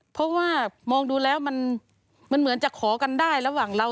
เพราะว่ามองดูแล้วมันเหมือนจะขอกันได้ระหว่างเรา